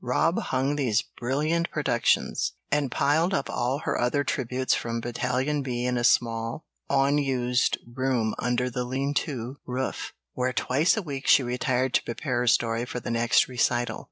Rob hung these brilliant productions, and piled up all her other tributes from Battalion B in a small, unused room under the "lean to" roof, where twice a week she retired to prepare her story for the next recital.